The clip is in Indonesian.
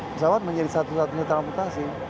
pesawat menjadi satu satunya transportasi